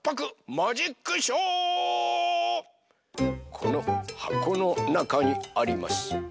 このはこのなかにあります